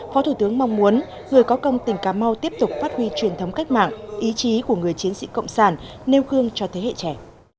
phó thủ tướng mong muốn người có công tỉnh cà mau tiếp tục phát huy truyền thống cách mạng ý chí của người chiến sĩ cộng sản nêu khương cho thế hệ trẻ